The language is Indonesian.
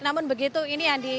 namun begitu ini yang di